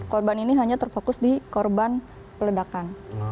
korban ini hanya terfokus di korban peledakan